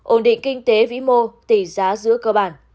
ổn định kinh tế vĩ mô tỷ giá giữa cơ bản